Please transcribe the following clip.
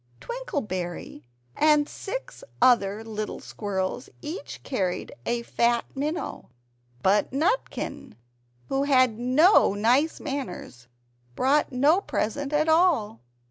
Twinkleberry and six other little squirrels each carried a fat minnow; but Nutkin, who had no nice manners, brought no present at all.